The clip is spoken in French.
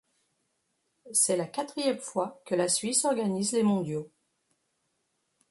C'est la quatrième fois que la Suisse organise les Mondiaux.